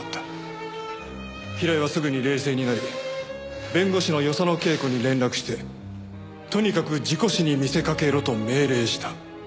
平井はすぐに冷静になり弁護士の与謝野慶子に連絡してとにかく事故死に見せかけろと命令した。